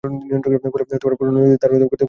ফলে পুরোনো নদী তার গতি পথ পরিবর্তন করে ফেলেছে।